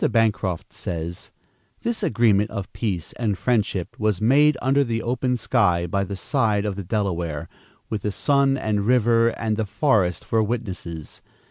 Bancroft says: "This agreement of peace and friendship was made under the open sky, by the side of the Delaware, with the sun and river and the forest for witnesses.